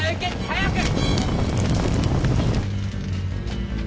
早く！